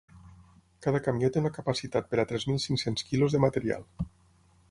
Cada camió té una capacitat per a tres mil cinc-cents quilos de material.